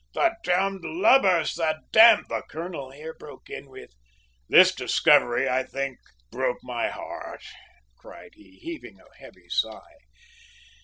"The damned lubbers; the damn " The colonel here broke in with "This discovery, I think, broke my heart," cried he, heaving a heavy sigh.